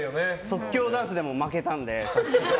即興ダンスでも負けたんで。